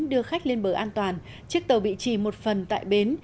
đưa khách lên bờ an toàn chiếc tàu bị trì một phần tại bến